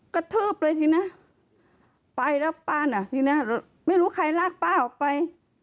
กระทืบเลยทีนี้ไปแล้วป้าน่ะทีเนี้ยไม่รู้ใครลากป้าออกไป